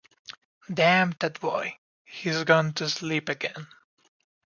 Damn that boy; he’s gone to sleep again.